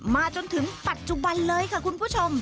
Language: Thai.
จนถึงปัจจุบันเลยค่ะคุณผู้ชม